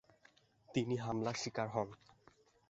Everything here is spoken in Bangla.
তিনি হামলার শিকার হন।